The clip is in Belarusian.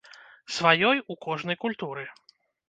Сваёй у кожнай культуры.